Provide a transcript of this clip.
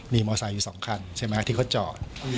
มีมอไซค์อยู่๒คันใช่ไหมที่เขาจอด